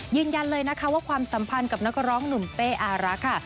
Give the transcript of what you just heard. ยืนยันเลยนะคะว่าความสัมพันธ์กับนักร้องหนุ่มเป้อารักค่ะ